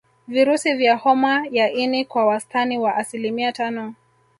Virusi vya homa ya ini kwa wastani wa asilimia tano